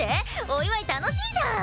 お祝い楽しいじゃん！